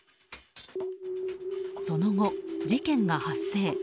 その後、事件が発生。